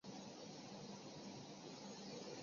这是一个一步完成的协同反应。